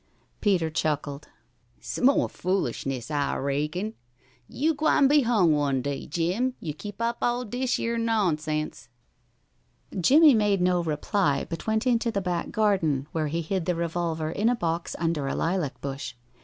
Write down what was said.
Peter chuckled. "S'more foolishness, I raikon. You gwine be hung one day, Jim, you keep up all dish yer nonsense." Jimmie made no reply, but went into the back garden, where he hid the revolver in a box under a lilac bush.